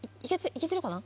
いけてるかな？